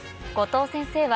後藤先生